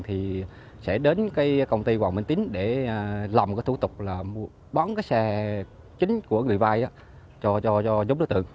thì sẽ đến công ty hoàng minh tín để làm một thủ tục là bán xe chính của người vay cho nhóm đối tượng